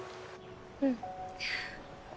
うん。